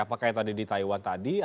apakah yang tadi di taiwan tadi